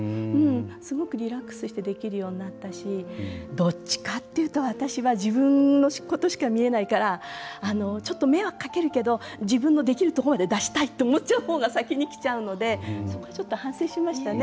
すごくリラックスしてできるようになったしどっちかっていうと私は自分のことしか見えないからちょっと迷惑かけるけど自分のできるとこまで出したいと思っちゃう方が先に来ちゃうのでそこはちょっと反省しましたね。